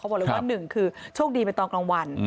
บอกเลยว่าหนึ่งคือโชคดีเป็นตอนกลางวัน